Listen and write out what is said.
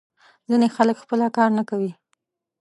ځینې خلک خپله کار نه کوي.